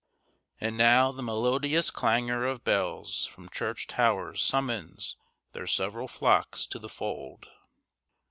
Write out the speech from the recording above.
And now the melodious clangor of bells from church towers summons their several flocks to the fold.